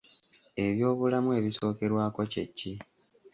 Eby'obulamu ebisookerwako kye ki?